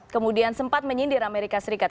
kemudian sempat menyindir amerika serikat